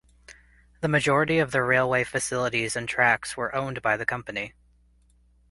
The majority of the railway facilities and tracks were owned by the company.